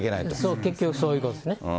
そう、結局そういうことですね。